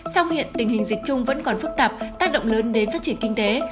sau hiện tình hình dịch chung vẫn còn phức tạp tác động lớn đến phát triển kinh tế